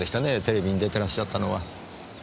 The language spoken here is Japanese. テレビに出てらっしゃったのは。